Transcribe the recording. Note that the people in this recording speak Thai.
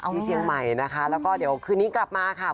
ที่เชียงใหม่นะคะแล้วก็เดี๋ยวคืนนี้กลับมาค่ะ